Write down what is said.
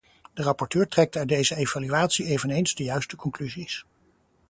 De rapporteur trekt uit deze evaluatie eveneens de juiste conclusies.